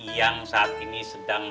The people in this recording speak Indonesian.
yang saat ini sedang